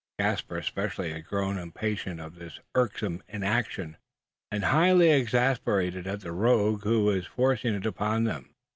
Caspar especially had grown impatient of this irksome inaction; and highly exasperated at the rogue who was forcing it upon them.